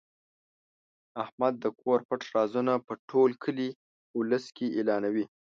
احمد د کور پټ رازونه په ټول کلي اولس کې اعلانوي.